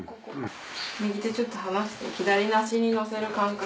右手ちょっと離して左の足に乗せる感覚。